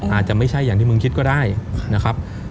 อาจจะไม่ใช่อย่างที่มึงคิดก็ได้นะครับ